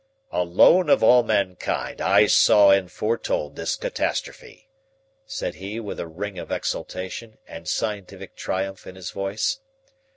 "Alone of all mankind I saw and foretold this catastrophe," said he with a ring of exultation and scientific triumph in his voice.